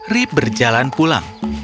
rip berjalan pulang